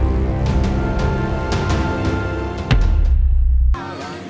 aku mau ke rumah